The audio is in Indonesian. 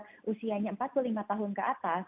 yang sudah usianya empat puluh lima tahun ke atas